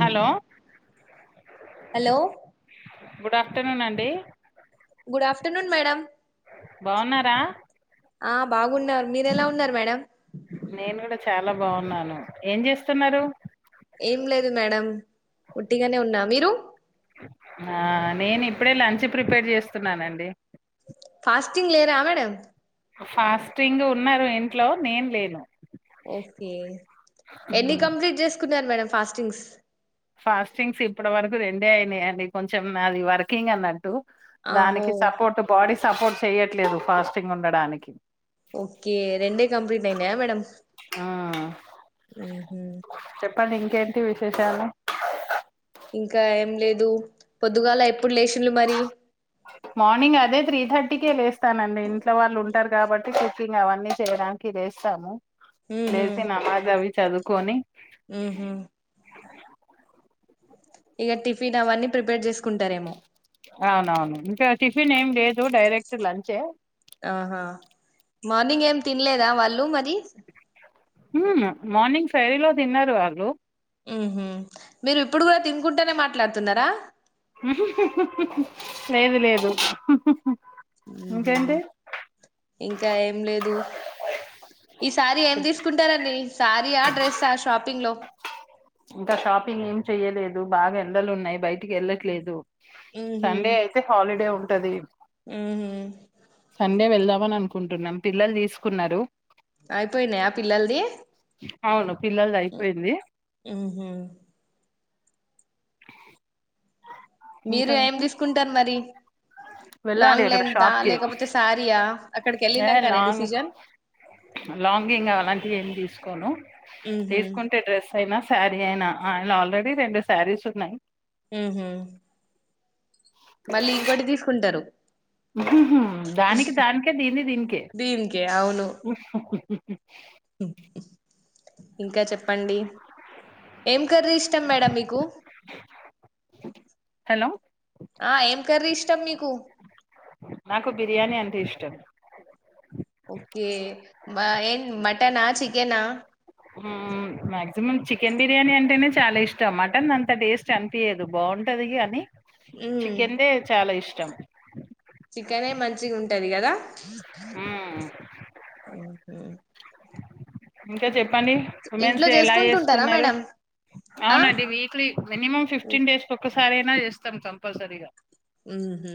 Hello hello good afternoon అండి good afternoon madam బావున్నారా ఆ బాగున్నారు మీర ఎలా ఉన్నారు మేడం నేను కూడా చాలా బాగున్నాను ఏం చేస్తున్నారు ఏం లేదు మేడం ఒట్టిగనే ఉన్నా మీరు ఆ, నేను ఇప్పుడే లంచ్ ప్రిపేర్ చేస్తున్నానండి ఫాస్టింగ్ లేరా మేడం ఫాస్టింగ్ ఉన్నరు ఇంట్లో నేను లేను ఓకే ఎన్ని కంప్లీట్ చేసుకున్నారు మేడం ఫాస్టింగ్స్ ఫాస్టింగ్స్ ఇప్పటి వరకు రెండే అయినయియండి కొంచెం నాది వర్కింగ్ అన్నట్టు ఆహో దానికి సపోర్ట్ బాడీ సపోర్ట్ చెయట్లేదు ఫాస్టింగ్ ఉండడానికి ఓకే రెండే కంప్లీట్ అయిన మేడం ఆ, ఊహు పని ఇంకేంటి విశేషాలు ఇంకా ఏం లేదు పొద్దుగాల ఎప్ మార్నింగ్ అదే త్రీ థట్ టికే లేస్తానండి ఇంట్లో వాళ్ళు ఉంటారు కాబట్టి కుక్కింగ్ అవన్నీ చేయడానికి లేస్తము లేసి నమాజ్ అవి చదువుకొని ఊహు ఇక టిఫిన్ అవన్నీ ప్రిపేర్ చేసు అవునవును ఇంకా టిఫిన్ ఏం లేదు డైరెక్ట్ లంచే ఆహా మార్నింగ్ ఏం తినలేదా వాళ్ళు మరి ఊ మార్నింగ్ ఫై లో తిన్నారు వాళ్ళు ఊహు మీరు ఇప్పుడు కూడా తినుకుంటనే మాట్లాడుతున్నారా లేదు లేదు ఊహు ఇంకేంటి ఇంకా ఏం లేదు ఈసారి ఏం తీసుకుంటారండి సారీ ఆ డ్రెస్ ఆ షాపింగ్ లో ఇంకా షాపింగ్ ఏం చెయ్యలేదు బాగా ఎండలు ఉన్నయి బయటికి వెళ్ళట్లేదు సండే అయితే హాలిడే ఉంటది ఊహు నుండే వెళ్దామని అనుకుంటున్నాం పిల్లలు తీసుకున్నారు అయిపోయినా ఆ పిల్లలది అవును పిల్లల్ది అయిపోయింది ఊహూ ఇంకా మీరు ఏం తీసుకుంటారు మరి వెళ్ళాలి లాంగ్ అక్కడ లెంతా షాప్ కి లేకపోతే సారియా అక్కడికి ఏ వెళ్ళినంకనే లాంగ్ డిసిషన్ లాంగింగ్ అలాంటివి ఏమి తీసుకోను ఊహూ తీసుకుంటే డ్రెస్ అయినా శారీ అయినా ఆయిన ఆల్రెడీ రెండు శారీస్ ఉన్నాయి ఊహు మళ్ళీ ఇంకోటి తీసుకుంటరు ఉహుహు దానికి దానికే దీన్ని దీనికే దీనికే స ఇంకా చెప్పండి ఏం కర్రీ ఇష్టం మేడం మీకు హలో ఆ ఏం కర్రీ ఇష్టం మీకు నాకు బిర్యానీ అంటే ఇష్టం ఓకే ఏన్ మటనా చికెనా మ్ మాక్సిమం చికెన్ బిర్యానీ అంటేనే చాలా ఇష్టం మటన్ అంత టేస్ట్ అనిపియదు బాగుంట ది కానీ మ్మ్ చికెన్ దే చాలా ఇష్టం చికెనే మంచిగా ఉంటది కదా మ్మ్. ఇంకా చెప్పండి ఉమెన్స్ ఇంట్లో డే ఎలా చేసుకుంటుంటారా చేసుకున్నారు మేడం ఆ అవునండి వీక్లీ మినిమం ఫిఫ్టీన్ డేస్ కి ఒక్కసారి అయినా చేస్తాం కంపల్సరీగా ఉమ్ హు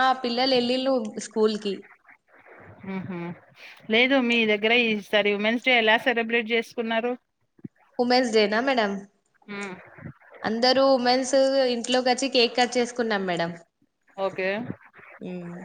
ఆ పిల్లలు ఎళ్ళిళ్ళు స్కూల్ కి ఉమ్ హ లేదు మీ దగ్గర ఈ సారి ఉమెన్స్ డే ఎలా సెలబ్రేట్ చేసుకున్నారు ఉమెన్స్ డే నా మేడం అందరు ఉమెన్స్ స్ ఇంట్లోకి వచ్చి కేక్ కట్ చేసుకున్నాం మేడం ఓకే మ్మ్